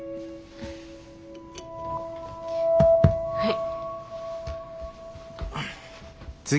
はい。